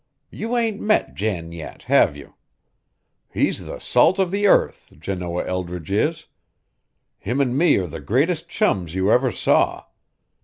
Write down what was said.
You ain't met Jan yet, have you? He's the salt of the earth, Janoah Eldridge is. Him an' me are the greatest chums you ever saw.